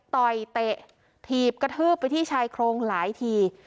ต่อยเตะถีบกระทืบไปที่ชายโครงหลายที